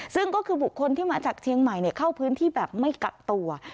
ซึ่งก็คือบุคคลที่มาจากเชียงใหม่เข้าพื้นที่แบบไม่กักตัว